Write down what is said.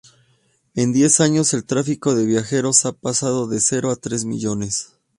En diez años, el tráfico de viajeros ha pasado de cero a tres millones.